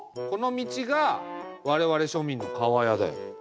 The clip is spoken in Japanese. この道が我々庶民の厠だよ。